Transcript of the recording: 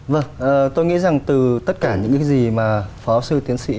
vâng tôi nghĩ rằng từ tất cả những cái gì mà phó sư tiến sĩ